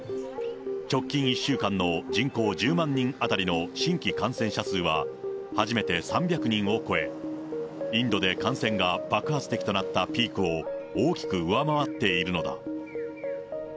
直近１週間の人口１０万人当たりの新規感染者数は、初めて３００人を超え、インドで感染が爆発的となったピークを大きく上回っているのだ。